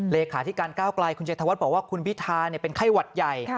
เลขาธิการก้าวไกลคุณเจธวัฒน์บอกว่าคุณพิทาเป็นไข้หวัดใหญ่